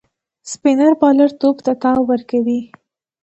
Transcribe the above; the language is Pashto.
سپينر بالر توپ ته تاو ورکوي.